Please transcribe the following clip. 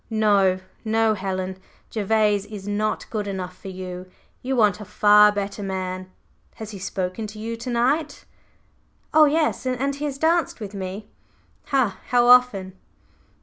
No, no, Helen! Gervase is not good enough for you; you want a far better man. Has he spoken to you to night?" "Oh, yes! And he has danced with me." "Ha! How often?"